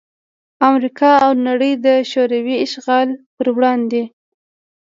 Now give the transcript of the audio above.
امریکا او نړۍ دشوروي اشغال پر وړاندې